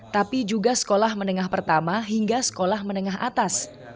tapi juga sekolah menengah pertama hingga sekolah menengah atas